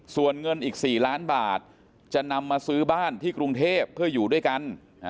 ส่วนเงินอีก๔ล้านบาทจะนำมาซื้อบ้านที่กรุงเทพเพื่ออยู่ด้วยกัน